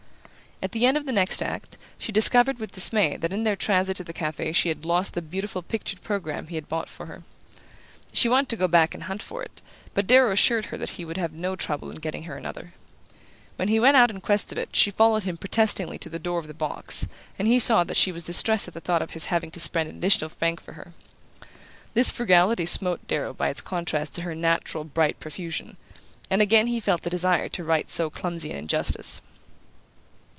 At the end of the next act she discovered with dismay that in their transit to the cafe she had lost the beautiful pictured programme he had bought for her. She wanted to go back and hunt for it, but Darrow assured her that he would have no trouble in getting her another. When he went out in quest of it she followed him protestingly to the door of the box, and he saw that she was distressed at the thought of his having to spend an additional franc for her. This frugality smote Darrow by its contrast to her natural bright profusion; and again he felt the desire to right so clumsy an injustice.